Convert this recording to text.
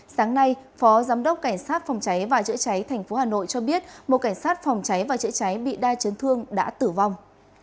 sáng nay phó giám đốc cảnh sát phòng cháy và chữa cháy tp hà nội cho biết một cảnh sát phòng cháy và chữa cháy bị đa chấn thương đã tử vong